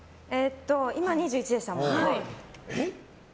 今、２１でしたもんね。